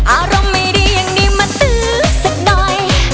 อารมณ์ไม่ดีอย่างนี้มาตื้อสักหน่อย